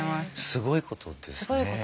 すごいことですね。